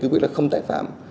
cứ biết là không tái phạm